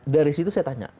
dari situ saya tanya